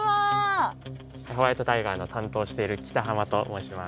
ホワイトタイガーの担当をしている北濱と申します。